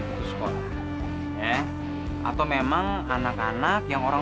p dicoba sebagai rekan kaki virgos